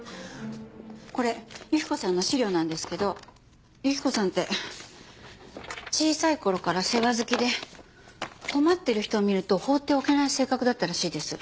これ雪子さんの資料なんですけど雪子さんって小さい頃から世話好きで困ってる人を見ると放っておけない性格だったらしいです。